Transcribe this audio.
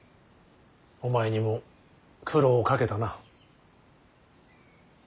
お前にも苦労をかけたな。